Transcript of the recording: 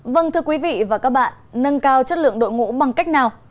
vâng thưa quý vị và các bạn nâng cao chất lượng đội ngũ bằng cách nào